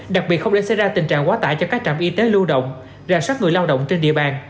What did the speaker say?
đặc biệt không để xảy ra tình trạng quá tải cho các trạm y tế lưu động ra soát người lao động trên địa bàn